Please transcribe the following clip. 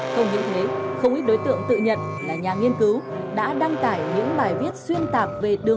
không những thế không ít đối tượng tự nhận là nhà nghiên cứu đã đăng tải những bài viết xuyên tạp